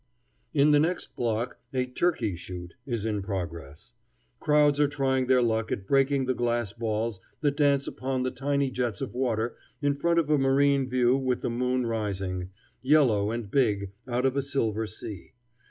In the next block a "turkey shoot" is in progress. Crowds are trying their luck at breaking the glass balls that dance upon tiny jets of water in front of a marine view with the moon rising, yellow and big, out of a silver sea.